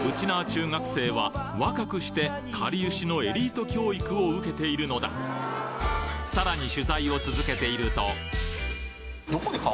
中学生は若くしてかりゆしのエリート教育を受けているのださらに